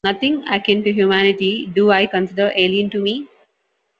Nothing akin to Humanity do I consider alien to me.